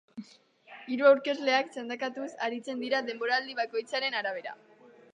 Hiru aurkezleak txandakatuz aritzen dira denboraldi bakoitzaren arabera.